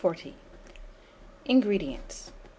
INGREDIENTS.